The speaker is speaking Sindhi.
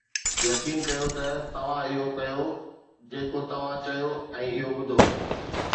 يقين ڪيو ته توهان اهو ڪيو جيڪو توهان چيو ۽ اهو ٻڌو